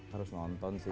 harus nonton sih ya